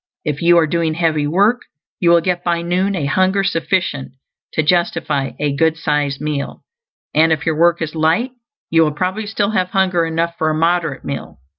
If you are doing heavy work, you will get by noon a hunger sufficient to justify a good sized meal; and if your work is light, you will probably still have hunger enough for a moderate meal.